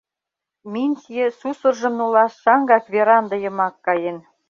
Минтье сусыржым нулаш шаҥгак веранда йымак каен.